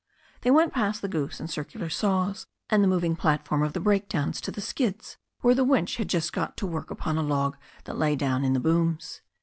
They went past the goose and circular saws and the moving platform of the breakdowns to the skids, where the winch had just got to work upon a log that lay down in the booms.